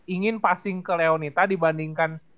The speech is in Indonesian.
ingin passing ke leonita dibandingkan